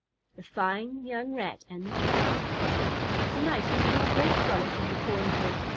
THE FINE YOUNG RAT AND THE TRAP The Mice were having a great frolic in the corn crib.